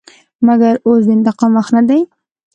مګر اوس د انتقام وخت نه دى.